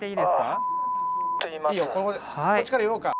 この場でこっちから言おうか？